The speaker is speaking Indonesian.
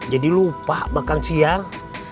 jadi lupa makan siang